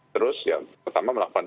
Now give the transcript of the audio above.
terus yang pertama melakukan